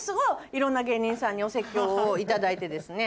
いろんな芸人さんにお説教をいただいてですね。